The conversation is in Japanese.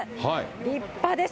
立派です。